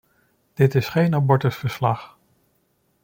Dit is geen abortusverslag.